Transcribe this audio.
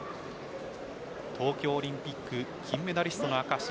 東京オリンピック金メダリストの証し